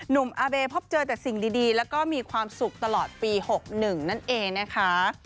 อาเบพบเจอแต่สิ่งดีแล้วก็มีความสุขตลอดปี๖๑นั่นเองนะคะ